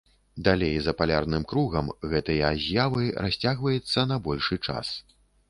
Далей за палярным кругам гэтыя з'явы расцягваецца на большы час.